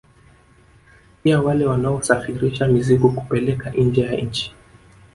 Pia wale wanaosafirisha mizigo kupeleka nje ya nchi